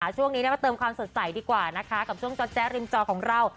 ช่วงนี้มาเติมความสดใสดีกว่านะคะกับช่วงจอดแจ๊ริมจอของเรา